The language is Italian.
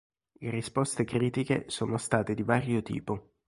Le risposte critiche sono state di vario tipo.